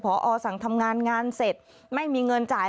พอสั่งทำงานงานเสร็จไม่มีเงินจ่าย